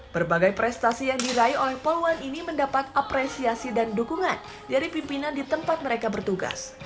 berbagai prestasi yang diraih oleh poluan ini mendapat apresiasi dan dukungan dari pimpinan di tempat mereka bertugas